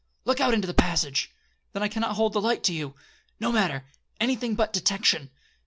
'—'Look out into the passage.'—'Then I cannot hold the light to you.'—'No matter—any thing but detection.'